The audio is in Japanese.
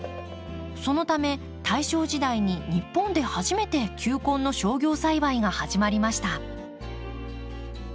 そのため大正時代に日本で初めて球根の商業栽培が始まりました。